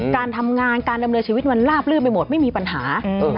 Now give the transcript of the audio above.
การทำงานการดำเนินชีวิตมันลาบลื่นไปหมดไม่มีปัญหา